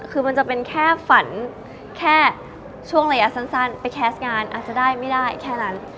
คือมันจะเป็นแค่ฝันแค่ช่วงระยะสั้นไปแคสต์งานอาจจะได้ไม่ได้แค่นั้น